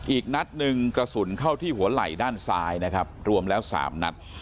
อีกนัดหนึ่งกระสุนเข้าที่หัวไหล่ด้านซ้ายนะครับรวมแล้ว๓นัด